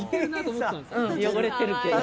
汚れてるけど。